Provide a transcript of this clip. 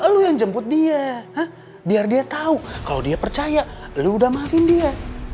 lu yang jemput dia biar dia tau kalo dia percaya lu udah maafin dia